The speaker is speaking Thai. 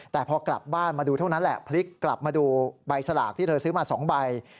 แต่พอกลับบ้านมาดูเท่านั้นแหละพลิกกลับมาดูใบสลากที่เธอซื้อมา๒ใบ